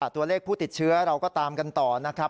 ตัวเลขผู้ติดเชื้อเราก็ตามกันต่อนะครับ